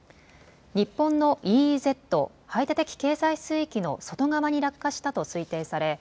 日本のＥＥＺ・排他的経済水域の外側に落下したと推定され